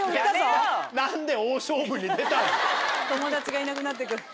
友達がいなくなってく。